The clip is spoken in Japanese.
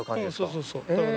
そうそうそう。